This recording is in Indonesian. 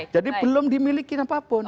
jadi belum dimiliki apapun